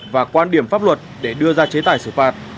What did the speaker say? và quan điểm pháp luật để đưa ra chế tài xử phạt